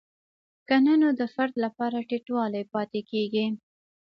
که نه نو د فرد لپاره ټیټوالی پاتې کیږي.